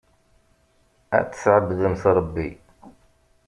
Ad tɛebdemt Ṛebbi.